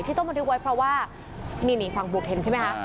ต้องบันทึกไว้เพราะว่านี่ฝั่งบุฟเห็นใช่ไหมคะ